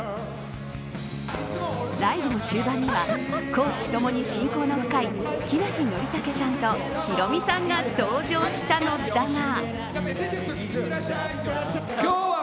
ライブの終盤には公私共に親交の深い木梨憲武さんとヒロミさんが登場したのだが。